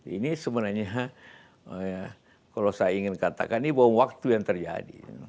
ini sebenarnya kalau saya ingin katakan ini bahwa waktu yang terjadi